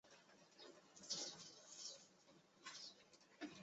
新阿瓜多西是巴西北大河州的一个市镇。